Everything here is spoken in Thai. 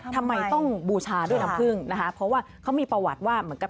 ทำไมต้องบูชาด้วยน้ำผึ้งนะครับเพราะว่าเขามีประวัติว่า